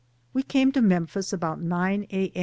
We came to Memphis about nine a.